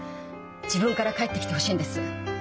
自分から帰ってきてほしいんです。